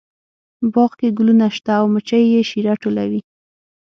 باغ کې ګلونه شته او مچۍ یې شیره ټولوي